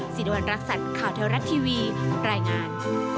สินวัลรักษณ์ข่าวเทวรัฐทีวีรายงาน